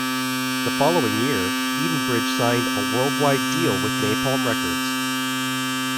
The following year, Edenbridge signed a worldwide deal with Napalm Records.